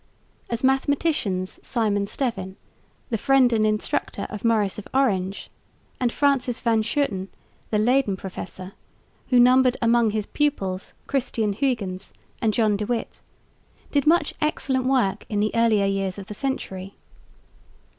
As mathematicians Simon Stevin, the friend and instructor of Maurice of Orange, and Francis van Schooten, the Leyden Professor, who numbered among his pupils Christian Huyghens and John de Witt, did much excellent work in the earlier years of the century.